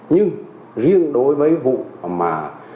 nhưng riêng đối với vụ mà